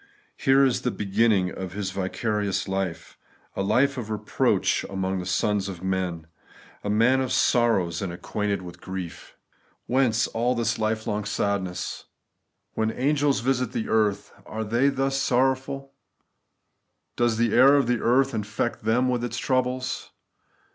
Here is the beginning of His vicarious life, — a life of reproach among the sons of men. ' A man of sorrows, and acquainted with grie£* Whence all this life long 4jjBL The Everlasting EiglUecmsness. sadness ? When angels visit earth, are they thus sorrowful ? Does the air of earth infect them with its troubles